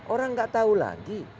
orang gak tahu lagi